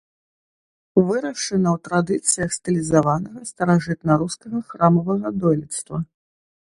Вырашана ў традыцыях стылізаванага старажытнарускага храмавага дойлідства.